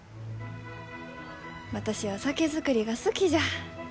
私は酒造りが好きじゃ。